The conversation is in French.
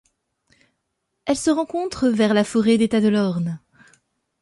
Elle se rencontre vers la forêt d'État de Lorne.